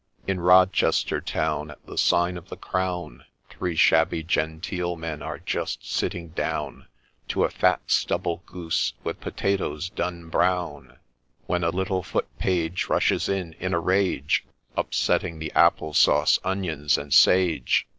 In Rochester town, At the sign of the Crown, Three shabby genteel men are just sitting down To a fat stubble goose, with potatoes done brown ; When a little Foot page Rushes in, in a rage, Upsetting the apple sauce, onions, and sage.